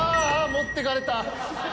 ああ持ってかれた。